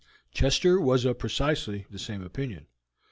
Chester was of precisely the same opinion.